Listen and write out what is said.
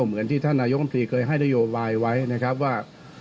เหมือนที่ท่านนายกรรมตรีเคยให้นโยบายไว้นะครับว่า